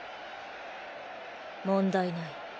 問題ない。